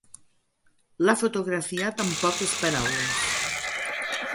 L'ha fotografiat amb poques paraules.